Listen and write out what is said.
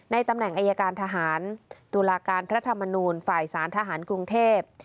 ตำแหน่งอายการทหารตุลาการพระธรรมนูลฝ่ายสารทหารกรุงเทพ